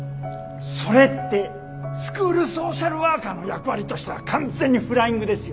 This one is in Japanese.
それってスクールソーシャルワーカーの役割としたら完全にフライングですよ。